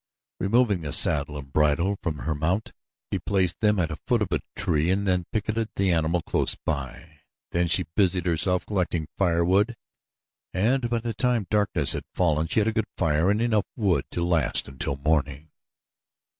Removing the saddle and bridle from her mount she placed them at the foot of a tree and then picketed the animal close by. Then she busied herself collecting firewood and by the time darkness had fallen she had a good fire and enough wood to last until morning.